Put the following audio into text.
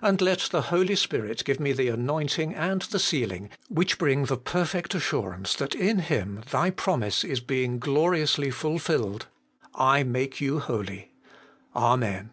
And let the Holy Spirit give me the anointing and the seal ing which bring the perfect assurance that in Him Thy promise is being gloriously fulfilled, ' I MAKE YOU HOLY.' Amen.